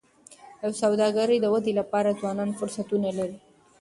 د سوداګری د ودي لپاره ځوانان فرصتونه لري.